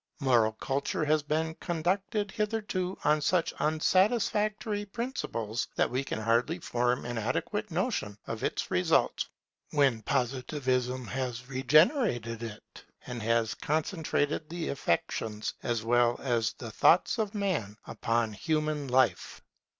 Moral culture has been conducted hitherto on such unsatisfactory principles, that we can hardly form an adequate notion of its results when Positivism has regenerated it, and has concentrated the affections as well as the thoughts of Man upon human life.